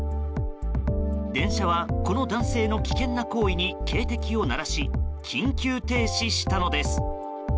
電車は、この男性の危険な行為に警笛を鳴らし緊急停止したのです。